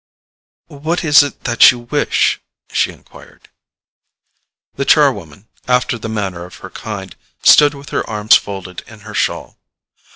"What is it that you wish?" she enquired. The char woman, after the manner of her kind, stood with her arms folded in her shawl.